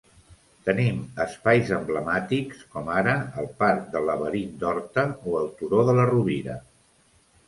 Tenim espais emblemàtics com ara el parc del Laberint d'Horta o el Turó de la Rovira.